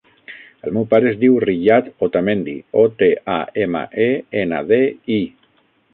El meu pare es diu Riyad Otamendi: o, te, a, ema, e, ena, de, i.